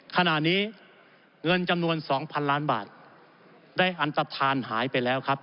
ขณะนี้เงินจำนวน๒๐๐๐ล้านบาทได้อันตฐานหายไปแล้วครับ